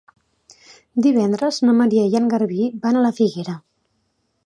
Divendres na Maria i en Garbí van a la Figuera.